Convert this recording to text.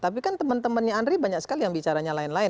tapi kan teman temannya andri banyak sekali yang bicaranya lain lain